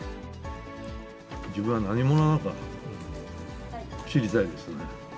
自分は何者なのかと、知りたいですよね。